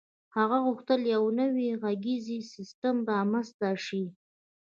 هغه غوښتل یو نوی غږیز سیسټم رامنځته شي